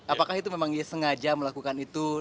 apakah itu memang dia sengaja melakukan itu